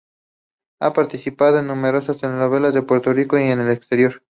Ha participado en numerosas telenovelas en Puerto Rico y en el exterior.